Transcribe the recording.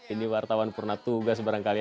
ini wartawan purna tugas barangkali